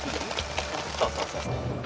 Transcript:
そうそうそうそう。